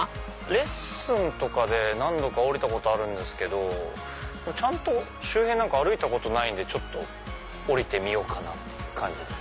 レッスンとかで何度か降りたことあるんですけどちゃんと周辺歩いたことないんで降りてみようっていう感じです。